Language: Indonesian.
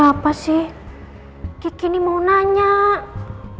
yang di atas itu kan atau tempat nama ais